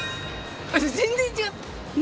全然違う！